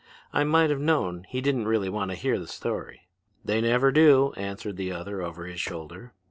"I might have known he didn't really want to hear the story." "They never do," answered the other over his shoulder.